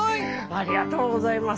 ありがとうございます。